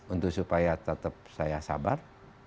untuk supaya tetap saya sabar